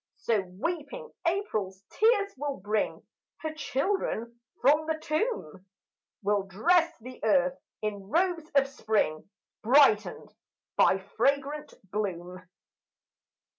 So weeping April's tears will bring Her children from the tomb, Will dress the earth in robes of spring, Brightened by fragrant bloom.